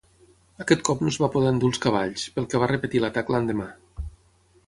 Aquest cop no es va poder endur els cavalls, pel que va repetir l'atac l'endemà.